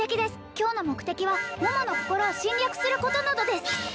今日の目的は桃の心を侵略することなどです